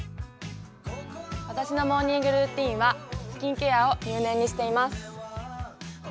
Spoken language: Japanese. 私のモーニングルーティンはスキンケアを入念にしています。